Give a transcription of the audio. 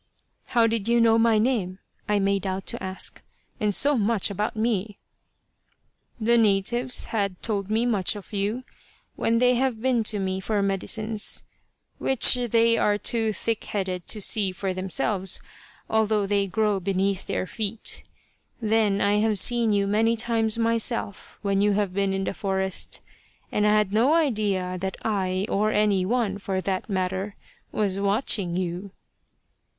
"How did you know my name," I made out to ask, "and so much about me?" "The natives have told me much of you, when they have been to me for medicines, which they are too thickheaded to see for themselves, although they grow beneath their feet. Then I have seen you many times myself, when you have been in the forest, and had no idea that I, or any one, for that matter, was watching you."